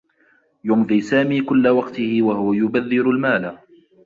يمضي سامي كلّ وقته و هو يبذّر المال.